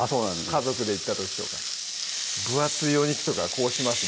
家族で行った時とか分厚いお肉とかこうします